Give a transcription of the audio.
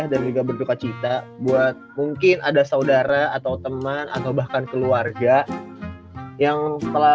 dan juga berdukacita buat mungkin ada saudara atau teman atau bahkan keluarga yang telah